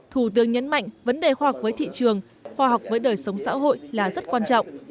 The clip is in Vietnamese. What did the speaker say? thủ tướng nhấn mạnh vấn đề khoa học với thị trường khoa học với đời sống xã hội là rất quan trọng